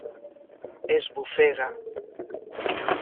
Esbufega.